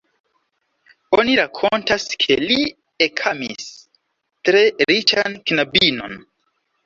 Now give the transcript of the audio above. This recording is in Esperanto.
Oni rakontas, ke li ekamis tre riĉan knabinon.